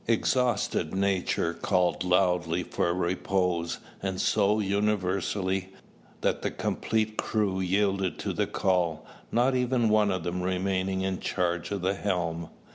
Exhausted nature called loudly for repose; and so universally, that the complete crew yielded to the call, not even one of them remaining in charge of the helm.